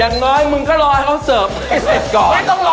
อย่างน้อยมึงก็รอให้เขาเสิร์ฟให้เสร็จก่อน